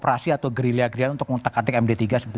operasi atau gerilya gerilya untuk mengutak atik md tiga